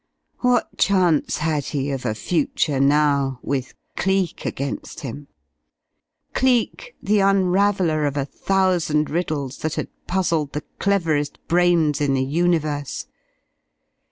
What chance had he of a future now with Cleek against him? Cleek the unraveller of a thousand riddles that had puzzled the cleverest brains in the universe!